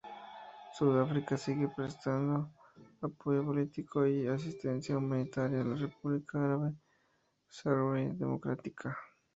Sudáfrica sigue prestando apoyo político y asistencia humanitaria a la República Árabe Saharaui Democrática.